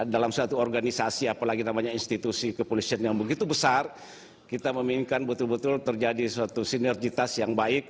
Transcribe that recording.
dalam suatu organisasi apalagi namanya institusi kepolisian yang begitu besar kita menginginkan betul betul terjadi suatu sinergitas yang baik